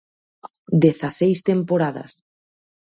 Dezaseis temporadas.